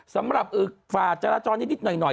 สำหรับฝ่าจราจรนิดหน่อย